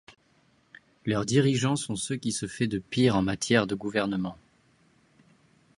Leurs dirigeants sont ce qui se fait de pire en matière de gouvernement.